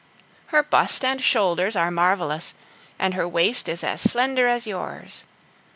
Her bust and shoulders are marvelous, and her waist is as slender as yours.